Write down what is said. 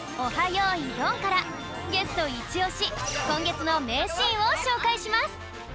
よいどん」からゲストいちおしこんげつのめいシーンをしょうかいします